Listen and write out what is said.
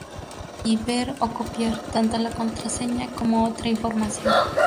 y ver o copiar tanto la contraseña como otra información